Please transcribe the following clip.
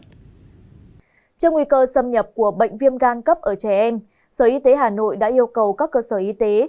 trước nguy cơ xâm nhập của bệnh viêm gan cấp ở trẻ em sở y tế hà nội đã yêu cầu các cơ sở y tế